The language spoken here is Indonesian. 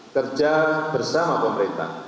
kerja bersama pemerintah